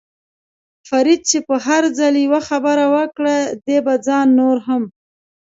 فرید چې به هر ځل یوه خبره وکړه، دې به ځان نور هم.